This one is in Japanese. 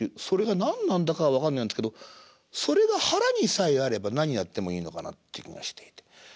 それが何なんだかは分かんないんですけどそれが腹にさえあれば何やってもいいのかなって気がしていて。